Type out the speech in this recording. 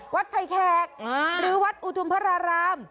วัดไพแคกหรือวัดอุทุมพระราม